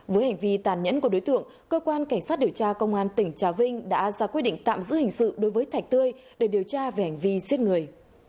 với hành vi tàn nhẫn của đối tượng cơ quan cảnh sát điều tra công an tỉnh trà vinh đã ra quyết định tạm giữ hình sự đối với thạch tươi để điều tra về hành vi giết người